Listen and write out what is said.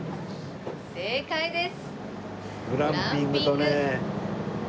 正解です！